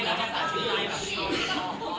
เรื่องกดหลายอย่าง